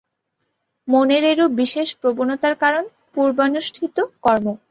মনের এরূপ বিশেষ প্রবণতার কারণ পূর্বানুষ্ঠিত কর্ম।